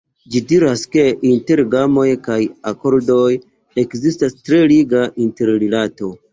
Ĝi diras, ke inter gamoj kaj akordoj ekzistas tre liga interrilato.